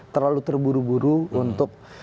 terlalu terburu buru untuk